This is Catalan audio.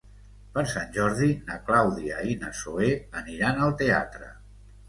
Per Sant Jordi na Clàudia i na Zoè aniran al teatre.